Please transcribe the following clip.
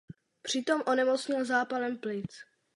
Při tom onemocněl zápalem plic.